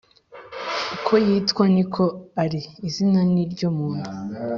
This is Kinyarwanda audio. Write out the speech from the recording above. Uko yitwa ni ko ari, izina ni ryo muntu.